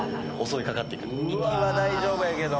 行きは大丈夫やけど？